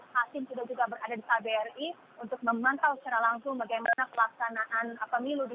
hashim sudah juga berada di kbri untuk memantau secara langsung bagaimana pelaksanaan pemilu di